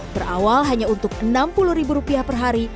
berawal hanya untuk enam puluh ribu rupiah per hari